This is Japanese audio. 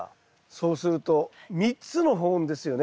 そうすると３つの保温ですよね。